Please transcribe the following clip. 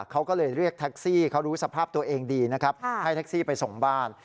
เขาก็เลยเรียกแท็กซี่เขารู้สภาพตัวเองดีนะครับให้แท็กซี่ไปส่งบ้าน